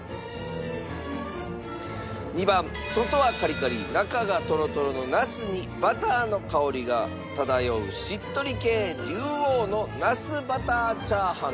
２番外はカリカリ中がとろとろのナスにバターの香りが漂うしっとり系龍王のナスバター炒飯か？